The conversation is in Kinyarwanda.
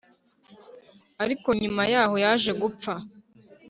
ariko nyuma yahoo yaje gupfa